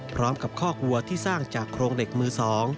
คอกวัวที่สร้างจากโครงเหล็กมือ๒